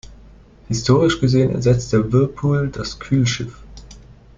Historisch gesehen ersetzt der Whirlpool das Kühlschiff.